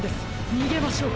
にげましょう！